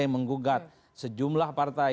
yang menggugat sejumlah partai